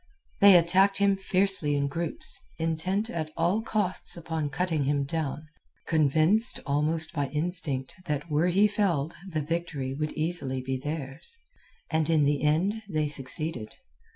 They attacked him fiercely in groups, intent at all costs upon cutting him down, convinced almost by instinct that were he felled the victory would easily be theirs. And in the end they succeeded.